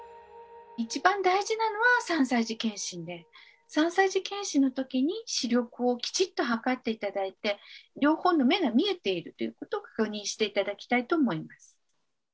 一番大事なのは３歳児健診で３歳児健診の時に視力をきちっと測って頂いて両方の目が見えているということを確認して頂きたいと思います。